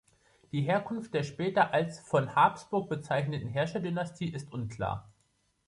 Die Herkunft der später als «von Habsburg» bezeichneten Herrscherdynastie ist unklar.